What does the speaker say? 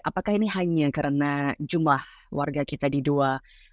apakah ini hanya karena jumlah warga kita di dua